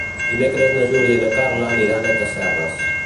Dimecres na Júlia i na Carla aniran a Casserres.